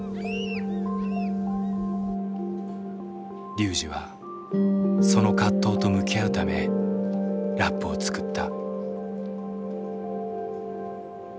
龍司はその葛藤と向き合うためラップを作った。